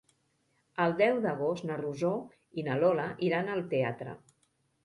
El deu d'agost na Rosó i na Lola iran al teatre.